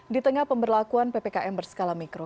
di tengah pemberlakuan ppkm berskala mikro